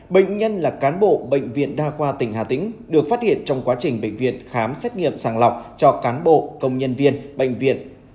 bệnh nhân là cán bộ bệnh viện đa khoa tỉnh hà tĩnh được phát hiện trong quá trình bệnh viện khám xét nghiệm sàng lọc cho cán bộ công nhân viên bệnh viện